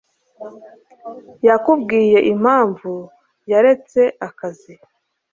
yakubwiye impamvu yaretse akazi?